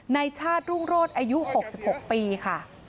ในชาติรุ่งโรศอายุ๖๖ปีค่ะ